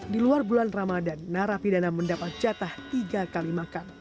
di luar bulan ramadan narapidana mendapat jatah tiga kali makan